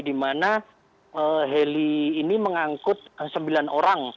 di mana heli ini mengangkut sembilan orang